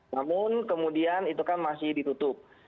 namun kemudian itu kan masih ditutup